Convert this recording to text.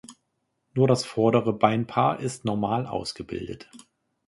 Nur das vordere Beinpaar ist normal ausgebildet.